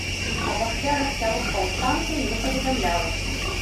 Аб ахвярах сярод паўстанцаў не паведамлялася.